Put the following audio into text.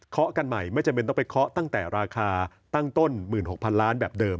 เขากันใหม่ไม่จำเป็นต้องไปเคาะตั้งแต่ราคาตั้งต้น๑๖๐๐๐ล้านแบบเดิม